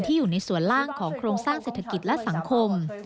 อยู่ในส่วนล่างของโครงสร้างเศรษฐกิจและสังคม